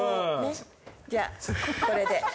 じゃあ、これで。